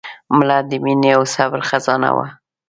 مړه د مینې او صبر خزانه وه